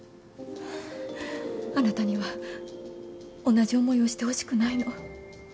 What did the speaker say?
あなたには同じ思いをしてほしくないの。